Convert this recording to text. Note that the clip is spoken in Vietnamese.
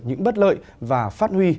những bất lợi và phát huy